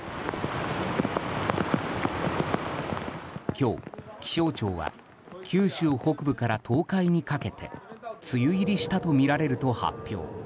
今日、気象庁は九州北部から東海にかけて梅雨入りしたとみられると発表。